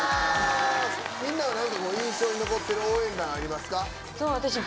みんなは何か印象に残ってる応援団ありますか？